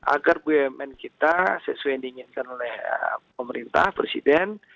agar bumn kita sesuai dengan ingin oleh pemerintah presiden